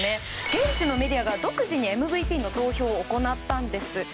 現地メディアが独自にＭＶＰの投票を行ったんです。